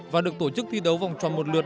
và được tổ chức thi đấu vòng tròn một lượt